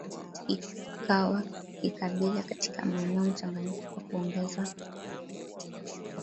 kikawa kikabila katika maeneo mchanganyika Kwa kuongezea